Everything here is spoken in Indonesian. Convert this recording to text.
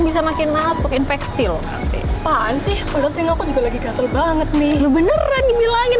bisa makin masuk infeksi loh pan sih menurut saya aku juga lagi gatel banget nih beneran dibilangin